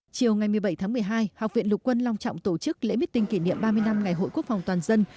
chiều ngày một mươi bảy tháng một mươi hai học viện lục quân long trọng tổ chức lễ meeting kỷ niệm ba mươi năm ngày hội quốc phòng toàn dân